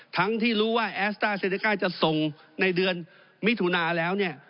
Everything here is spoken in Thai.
ทั้งที่รู้ว่าแอสต้าเซเนก้าจะส่งในเดือนมิถุนาแล้วเนี่ย